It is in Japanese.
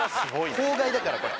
法外だからこれ。